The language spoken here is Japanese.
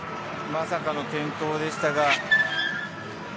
まさかの転倒でしたが。